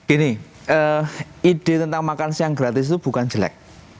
ini ide tentang makan siang gratis itu bukan jelek